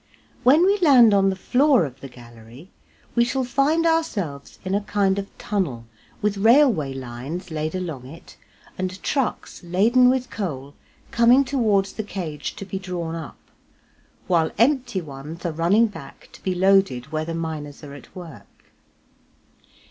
When we land on the floor of the gallery we shall find ourselves in a kind of tunnel with railway lines laid along it and trucks laden with coal coming towards the cage to be drawn up, while empty ones are running back to be loaded where the miners are at work.